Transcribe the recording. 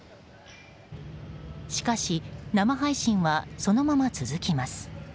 しかし、生配信はそのまま続きます。